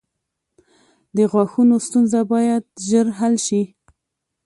• د غاښونو ستونزه باید ژر حل شي.